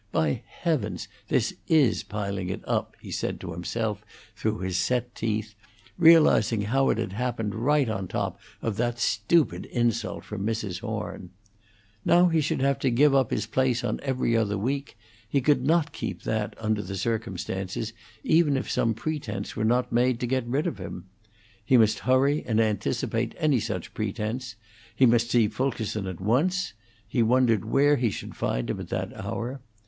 "By heavens! this is piling it up," he said to himself through his set teeth, realizing how it had happened right on top of that stupid insult from Mrs. Horn. Now he should have to give up his place on 'Every Other Week; he could not keep that, under the circumstances, even if some pretence were not made to get rid of him; he must hurry and anticipate any such pretence; he must see Fulkerson at once; he wondered where he should find him at that hour.